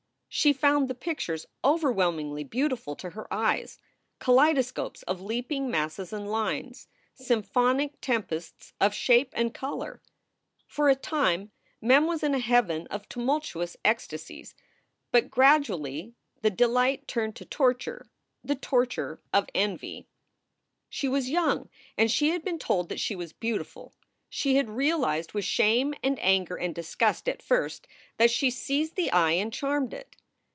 She found the pictures overwhelmingly beautiful to her eyes, kaleidoscopes of leaping masses and lines, symphonic tempests of shape and color. For a time Mem was in a heaven of tumultuous ecstasies. But gradually the delight turned to torture, the torture of envy. SOULS FOR SALE 179 She was young and she had been told that she was beau tiful. She had realized with shame and anger and disgust at first that she seized the eye and charmed it.